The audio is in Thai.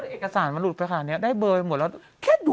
เอกสารลุดไปอันนี้ได้เบอร์หมดแล้ว